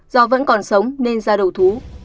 do vẫn còn sống nên ra đầu thú